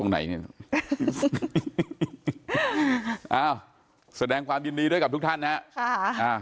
อ้าวแสดงความยินดีด้วยกับทุกท่านนะฮะ